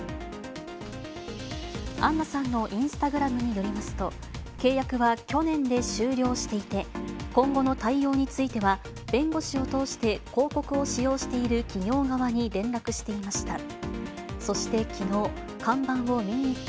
アンナさんのインスタグラムによりますと、契約は去年で終了していて、今後の対応については、弁護士を通して広告を使用している企業側に連絡していました。